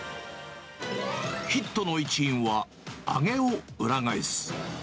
ヒットの一因は、揚げを裏返す。